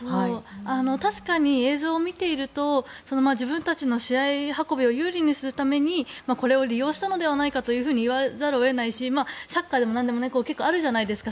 確かに、映像を見ていると自分たちの試合運びを有利にするためにこれを利用したのではないかと言わざるを得ないしサッカーでもなんでも結構、あるじゃないですか。